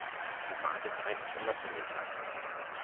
Die Wartezeit ist immer ziemlich lang.